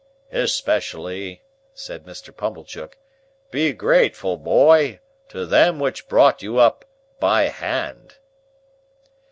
"Especially," said Mr. Pumblechook, "be grateful, boy, to them which brought you up by hand."